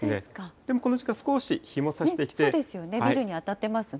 でもこの時間、少し日もさしてきて。